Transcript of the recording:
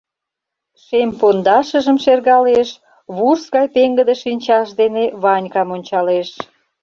Шем пондашыжым шергалеш, вурс гай пеҥгыде шинчаж дене Ванькам ончалеш.